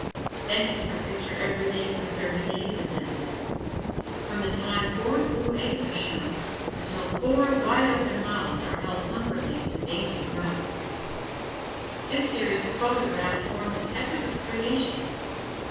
Then he took a picture every day for thirty days of that nest from the time four blue eggs are shown until four, wide open mouths are held hungrily for dainty grubs. This series of photographs forms an Epic of Creation.